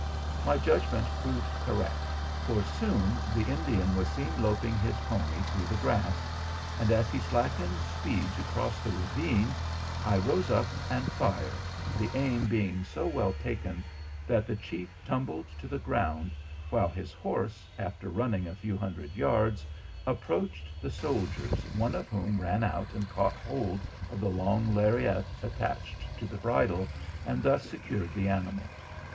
My judgment proved correct, for soon the Indian was seen loping his pony through the grass, and as he slackened speed to cross the ravine I rose up and fired, the aim being so well taken that the chief tumbled to the ground, while his horse, after running a few hundred yards, approached the soldiers, one of whom ran out and caught hold of the long lariat attached to the bridle, and thus secured the animal.